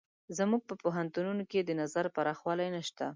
زموږ په پوهنتونونو کې د نظر پراخوالی نشته.